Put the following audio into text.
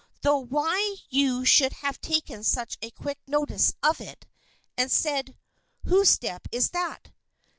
Though why you should have taken such quick notice of it, and said, 'Whose step is that?